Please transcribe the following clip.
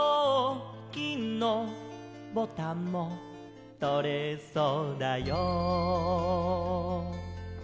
「金のボタンもとれそうだよ」